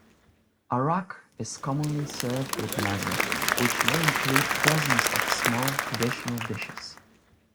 Arak is commonly served with mezza, which may include dozens of small traditional dishes.